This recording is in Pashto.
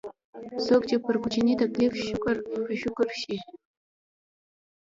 څوک چې پر کوچني تکليف ښکر په ښکر شي.